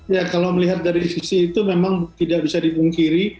ya kalau melihat dari sisi itu memang tidak bisa dipungkiri